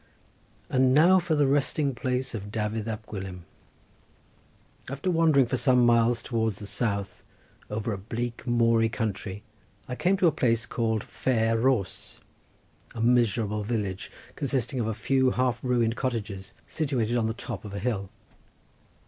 And now for the resting place of Dafydd Ab Gwilym! After wandering for some miles towards the south over a bleak moory country I came to a place called Fair Rhos, a miserable village, consisting of a few half ruined cottages, situated on the top of a hill.